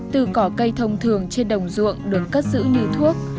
từ cỏ cây thông thường trên đồng ruộng được cất giữ như thuốc